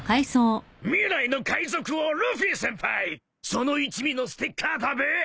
その一味のステッカーだべ